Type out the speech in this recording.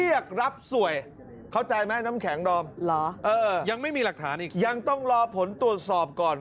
ยังต้องรอผลตรวจสอบก่อน